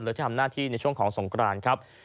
และที่ทำหน้าที่ในช่วงของสงครานครับ